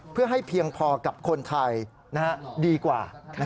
เพื่อให้เพียงพอกับคนไทยดีกว่า